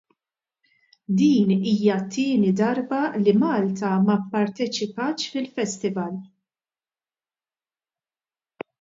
Din hija t-tieni darba li Malta ma pparteċipatx fil-festival.